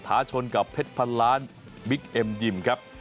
ชนกับเพชรพันล้านบิ๊กเอ็มยิมครับ